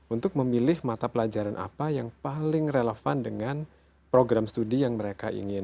untuk memilih mata pelajaran apa yang paling relevan dengan program studi yang mereka inginkan